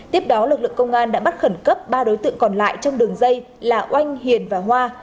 tiếp đó lực lượng công an đã bắt khẩn cấp ba đối tượng còn lại trong đường dây là oanh hiền và hoa